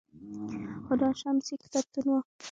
هُدا شمس یې کتابتون و